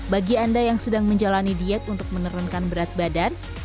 bagi anda yang sedang menjalani diet untuk menurunkan berat badan